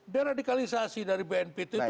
dan radikalisasi dari bnpt itu